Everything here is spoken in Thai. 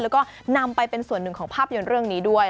แล้วก็นำไปเป็นส่วนหนึ่งของภาพยนตร์เรื่องนี้ด้วย